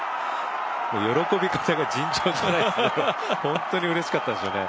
喜び方が尋常じゃない、本当にうれしかったんでしょうね。